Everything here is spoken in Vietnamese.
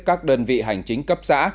các đơn vị hành chính cấp xã